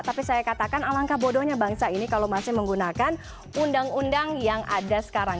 tapi saya katakan alangkah bodohnya bangsa ini kalau masih menggunakan undang undang yang ada sekarang